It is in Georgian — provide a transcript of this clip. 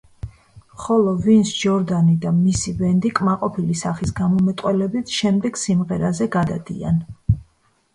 ხოლო ვინს ჯორდანი და მისი ბენდი კმაყოფილი სახის გამომეტყველებით შემდეგ სიმღერაზე გადადიან.